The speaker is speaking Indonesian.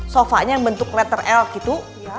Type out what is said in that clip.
sofanya yang bentuk letter elf gitu